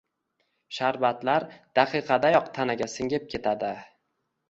Sharbatlar daqiqadayoq tanaga singib ketadi.